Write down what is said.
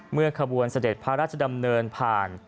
ขบวนเสด็จพระราชดำเนินผ่าน